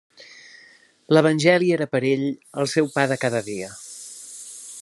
L’evangeli era per a ell el seu pa de cada dia.